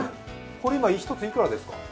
今１ついくらですか？